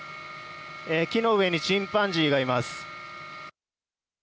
木の上にチンパンジーがいます。